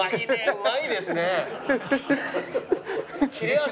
うまいですね。